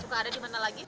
suka ada di mana lagi